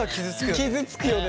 傷つくよね